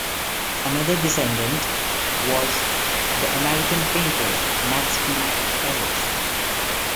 Another descendant was the American painter Maxfield Parrish.